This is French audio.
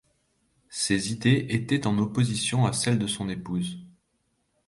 Ses idées étaient en opposition à celles de son épouse.